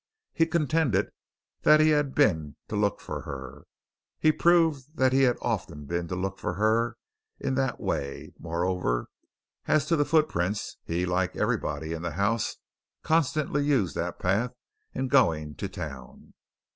He contended that he had been to look for her; he proved that he had often been to look for her in that way; moreover, as to the footprints, he, like everybody in the house, constantly used that path in going to the town."